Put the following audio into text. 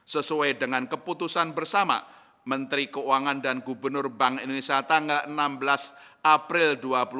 sesuai dengan keputusan bersama menteri keuangan dan gubernur bank indonesia tanggal enam belas april